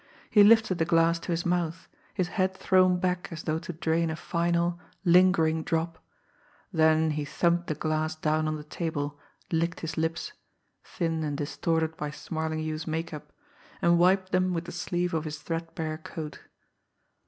He lifted the glass to his mouth, his head thrown back as though to drain a final, lingering drop, then he thumped the glass down on the table, licked his lips thin and distorted by "Smarlinghue's" makeup and wiped them with the sleeve of his threadbare coat.